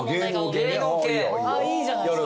いいじゃないですか。